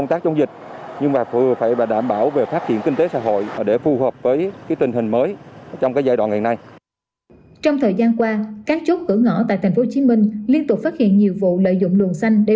trong thời gian qua các chốt cửa ngõ tại tp hcm liên tục phát hiện nhiều vụ lợi dụng luồng xanh để